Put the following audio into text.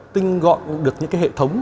tinh gọi được những hệ thống